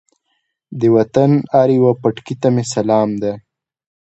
د وطن هر یوه پټکي ته مې سلام دی.